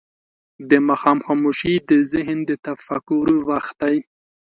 د ماښام خاموشي د ذهن د تفکر وخت دی.